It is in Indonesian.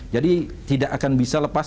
tidak akan bisa lepas